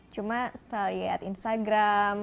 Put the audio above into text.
cuma setelah lihat instagram